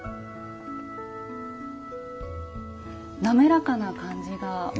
滑らかな感じが。